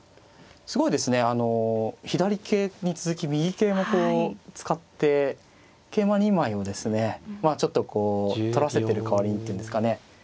すごいですねあの左桂に続き右桂もこう使って桂馬２枚をですねまあちょっとこう取らせてる代わりにっていうんですかね